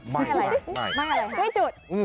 ไม่ไม่ไม่ไม่จุด